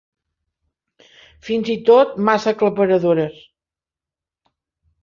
Fins i tot massa aclaparadores.